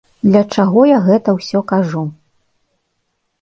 Для чаго я гэта ўсё кажу?